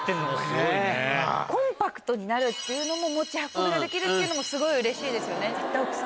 コンパクトになるっていうのも持ち運びができるっていうのもすごいうれしいですよね。